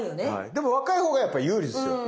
でも若いほうがやっぱ有利ですよ。